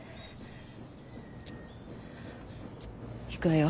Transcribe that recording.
いくわよ。